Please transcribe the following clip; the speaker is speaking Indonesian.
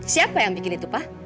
siapa yang bikin itu pak